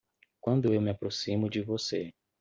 Quando eu me aproximo de você